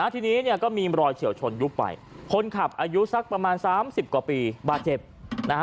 ทีนี้เนี่ยก็มีรอยเฉียวชนยุบไปคนขับอายุสักประมาณสามสิบกว่าปีบาดเจ็บนะฮะ